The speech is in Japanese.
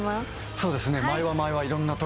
そうですね。